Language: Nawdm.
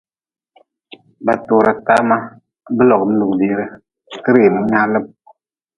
Ba tora tama, bi logm lugʼbire, ti rim nyaalm.